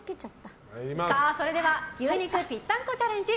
それでは牛肉ぴったんこチャレンジ